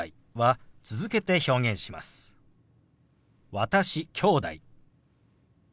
「私」「きょうだい」。